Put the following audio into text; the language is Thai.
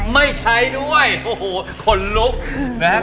ไม่ใช้ด้วยโอ้โหคนลุก